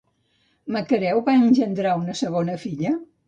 Macareu va engendrar una segona filla?